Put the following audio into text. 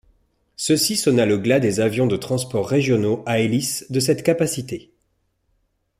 Ceci sonna le glas des avions de transport régionaux à hélices de cette capacité.